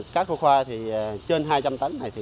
cá khô khoa trên hai trăm linh tấn này